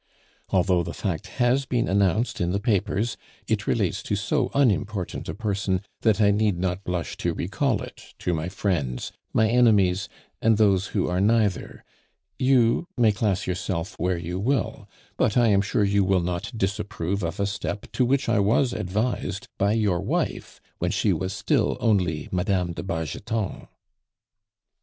Although the fact has been announced in the papers, it relates to so unimportant a person that I need not blush to recall it to my friends, my enemies, and those who are neither You may class yourself where you will, but I am sure you will not disapprove of a step to which I was advised by your wife when she was still only Madame de Bargeton."